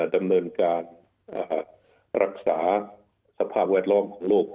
ดำเนินการรักษาสภาพแวดล้อมของลูก